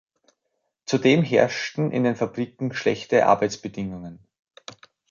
Zudem herrschten in den Fabriken schlechte Arbeitsbedingungen.